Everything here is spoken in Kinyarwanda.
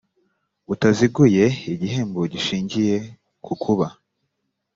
butaziguye igihembo gishingiye ku kuba